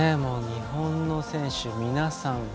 日本の選手、皆さん